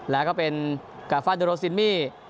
แล้วก็เป็นกาฟาโดโรซินมี่